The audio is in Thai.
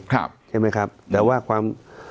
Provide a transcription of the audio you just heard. ใช่ไหมครับแต่ว่าความ